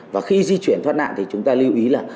và khi di chuyển thoát nạn thì chúng ta lưu ý là